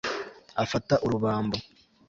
afata urubambo